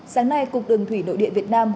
sáng nay cục đường thủy nội điện việt nam